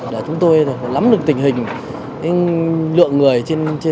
để chúng tôi lắm được tình hình lượng người trên xe